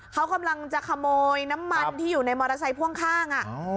เขากำลังจะขโมยน้ำมันที่อยู่ในมอเตอร์ไซค์พ่วงข้าง